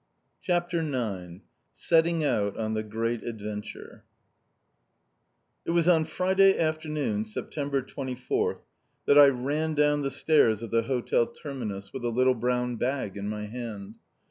CHAPTER IX SETTING OUT ON THE GREAT ADVENTURE It was on Friday afternoon, September 24th, that I ran down the stairs of the Hotel Terminus, with a little brown bag in my hand.